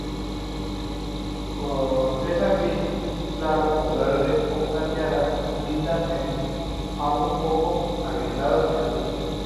Corteza gris claro a verde o plateada, lisa a un poco agrietada en adultos.